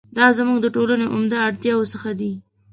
دا زموږ د ټولنو عمده اړتیاوو څخه دي.